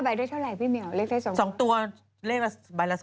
๕ใบได้เท่าไรพี่เมียวเล็กได้๒ตัว๒ตัวเล็กละใบละ๒๐๐๐๐